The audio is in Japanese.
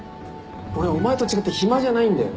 俺お前と違って暇じゃないんだよ。